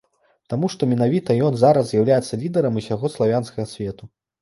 Таму што менавіта ён зараз з'яўляецца лідэрам усяго славянскага свету.